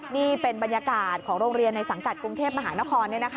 นี่เป็นบรรยากาศของโรงเรียนในสังกัดกรุงเทพมหานคร